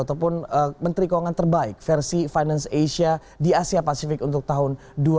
ataupun menteri keuangan terbaik versi finance asia di asia pasifik untuk tahun dua ribu dua puluh